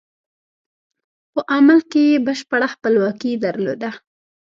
په عمل کې یې بشپړه خپلواکي درلوده.